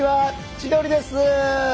千鳥です！